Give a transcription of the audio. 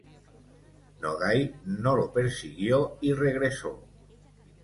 Nogai no lo persiguió y regresó.